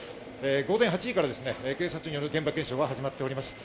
午前８時から警察の現場検証が始まっています。